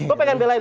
gue pengen belain